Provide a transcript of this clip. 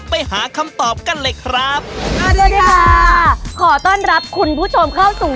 ไปหาคำตอบกันเลยครับสวัสดีค่ะขอต้อนรับคุณผู้ชมเข้าสู่